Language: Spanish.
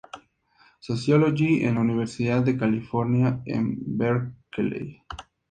Sociology en la Universidad de California en Berkeley.